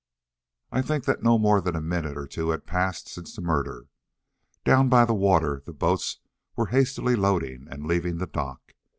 I think that no more than a minute or two had passed since the murder. Down by the water the boats were hastily loading and leaving the dock.